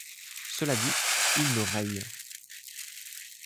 Cela dit, il me raye.